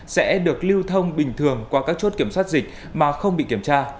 sẽ được lưu thông bình thường qua các chốt kiểm soát dịch mà không bị kiểm tra